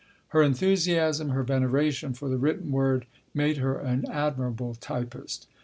Her enthusiasm, her veneration for the written word made her an admirable typist.